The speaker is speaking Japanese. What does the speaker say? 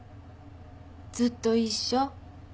ずっと一緒？